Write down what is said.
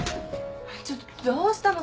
ちょっとどうしたの？